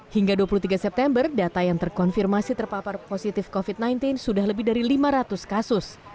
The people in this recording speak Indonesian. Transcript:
hingga dua puluh tiga september data yang terkonfirmasi terpapar positif covid sembilan belas sudah lebih dari lima ratus kasus